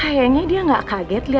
aku langsung datang dan kesini